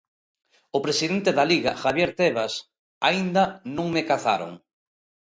O presidente da Liga, Javier Tebas: "Aínda non me cazaron".